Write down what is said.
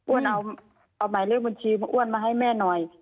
อ้วนเอาหมายเรื่องบัญชีอ้วนมาให้แม่หน่อย